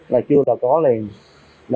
là chưa là có liền